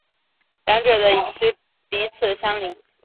两者的营区彼此相邻。